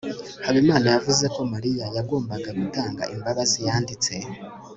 habimana yavuze ko mariya yagombaga gutanga imbabazi yanditse